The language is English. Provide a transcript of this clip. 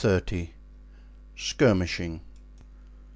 Skirmishing.